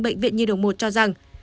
bệnh viện nhiệt độ một cho rằng